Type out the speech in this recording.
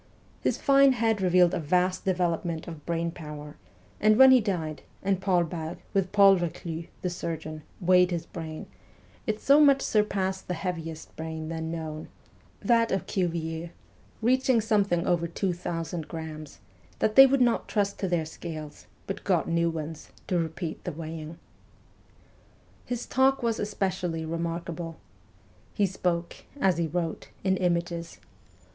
His fine head revealed a vast development of brain power, and when he died, and Paul Bert, with Paul Reclus (the surgeon), weighed his brain, it so WESTERN EUROPE 217 much surpassed the heaviest brain then known that of Cuvier reaching something over two thousand grammes, that they would not trust to their scales, but got new ones, to repeat the weighing. His talk was especially remarkable. He spoke, as he wrote, in images.